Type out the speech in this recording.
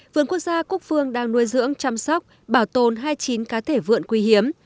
vườn quốc gia cúc phương đang nuôi dưỡng chăm sóc bảo tồn hai mươi chín cá thể vượn quý hiếm